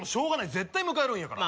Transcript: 絶対迎えるんやから。